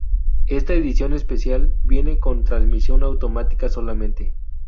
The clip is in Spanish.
Esta edición especial viene con transmisión automática solamente.